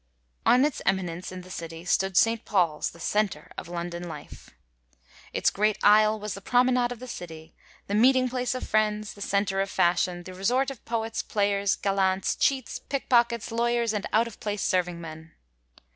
On its eminence in the city stood St. Paul's, the centre of London Life. Its great aisle was the promenade of the city, the meeting place of friends, the centre of fashion, the resort of poets, players, gallants, cheats, pickpockets, lawyers, and out of place serving men.